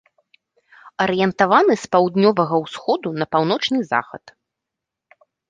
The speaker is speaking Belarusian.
Арыентаваны з паўднёвага усходу на паўночны захад.